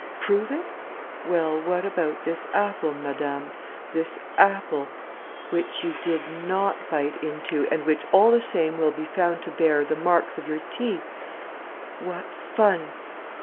Prove it? Well, what about this apple, madam, this apple which you did not bite into and which all the same will be found to bear the marks of your teeth? What fun!